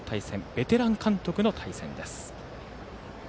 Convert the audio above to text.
ベテラン監督の対戦です。